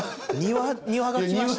庭が来ました。